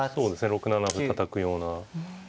６七歩たたくような。